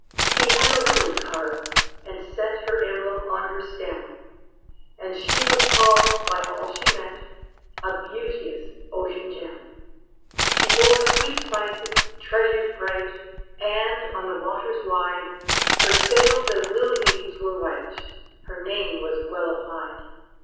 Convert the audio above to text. He had a lily carved, and set, Her emblem, on her stem; And she was called, by all she met, A beauteous ocean gem. She bore sweet spices, treasures bright; And, on the waters wide, Her sails as lily leaves were white: Her name was well applied.